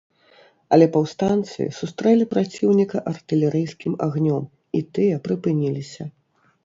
Але паўстанцы сустрэлі праціўніка артылерыйскім агнём, і тыя прыпыніліся.